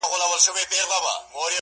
o څوک وایي گران دی؛ څوک وای آسان دی؛